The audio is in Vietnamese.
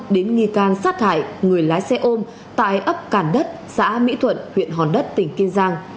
đến nghi can sát hại người lái xe ôm tại ấp cản đất xã mỹ thuận huyện hòn đất tỉnh kiên giang